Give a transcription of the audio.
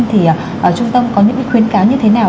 thì trung tâm có những khuyến cáo như thế nào